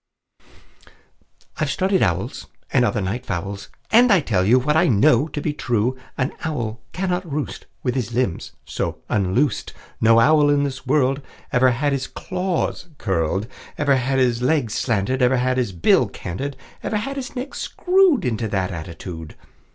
"I've studied owls, And other night fowls, And I tell you What I know to be true: An owl cannot roost With his limbs so unloosed; No owl in this world Ever had his claws curled, Ever had his legs slanted, Ever had his bill canted, Ever had his neck screwed Into that attitude.